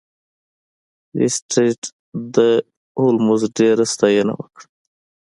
لیسټرډ د هولمز ډیره ستاینه وکړه.